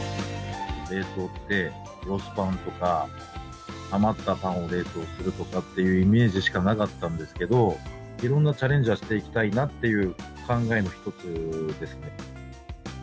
冷凍ってロスパンとか、余ったパンを冷凍するとかっていうイメージしかなかったんですけど、いろんなチャレンジはしていきたいなっていう考えの一つですね。